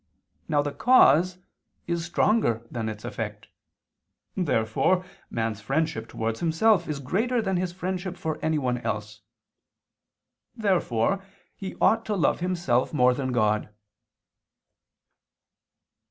Now the cause is stronger than its effect. Therefore man's friendship towards himself is greater than his friendship for anyone else. Therefore he ought to love himself more than God.